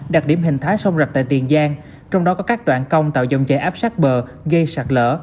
đặc điểm hình thái sông rạch tại tiền giang trong đó có các đoạn công tạo dòng chảy áp sát bờ gây sạt lỡ